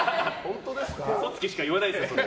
嘘つきしか言わない、それ。